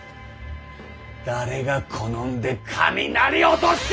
誰が好んで雷落とすか！